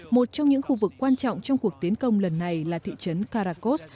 một trong những khu vực quan trọng trong cuộc tiến công lần này là thị trấn carakos